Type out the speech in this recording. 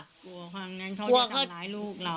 กลัวว่าเขาจะทำร้ายลูกเรา